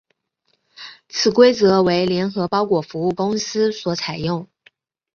此规则为联合包裹服务公司所采用。